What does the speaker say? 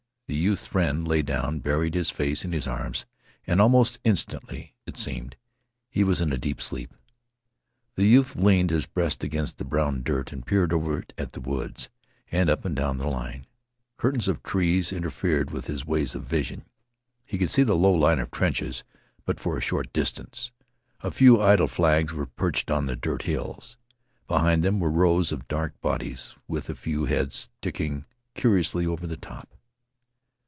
The youth's friend lay down, buried his face in his arms, and almost instantly, it seemed, he was in a deep sleep. The youth leaned his breast against the brown dirt and peered over at the woods and up and down the line. Curtains of trees interfered with his ways of vision. He could see the low line of trenches but for a short distance. A few idle flags were perched on the dirt hills. Behind them were rows of dark bodies with a few heads sticking curiously over the top.